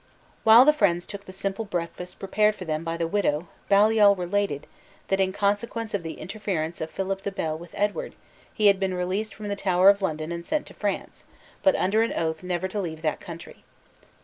While the friends took the simple breakfast prepared for them by the widow, Baliol related, that in consequence of the interference of Philip le Bel with Edward, he had been released from the Tower of London and sent to France, but under an oath never to leave that country.